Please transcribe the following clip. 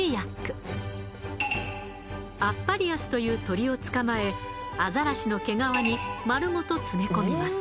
アッパリアスという鳥を捕まえアザラシの毛皮に丸ごと詰め込みます。